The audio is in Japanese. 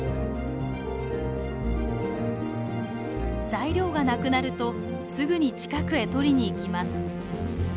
材料がなくなるとすぐに近くへ取りに行きます。